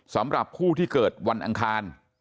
สำหรับผู้ที่เกิดวันอังคาร